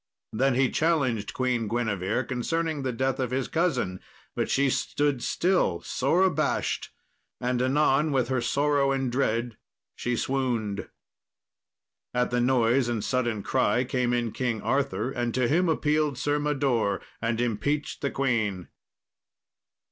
Then he challenged Queen Guinevere concerning the death of his cousin, but she stood still, sore abashed, and anon with her sorrow and dread, she swooned. At the noise and sudden cry came in King Arthur, and to him appealed Sir Mador, and impeached the queen.